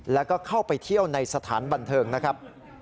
แล้วก็เข้าไปเที่ยวในสถานบันเทิงนะครับ